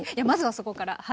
まずはそこから。